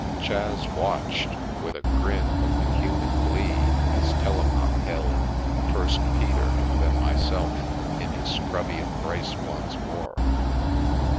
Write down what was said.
Chas watched, with a grin of inhuman glee, as Telemaque held, first Peter and then myself, in his scrubby embrace once more.